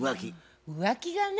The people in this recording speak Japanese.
浮気がね